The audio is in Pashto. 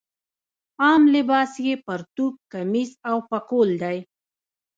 عام لباس یې پرتوګ کمیس او پکول دی.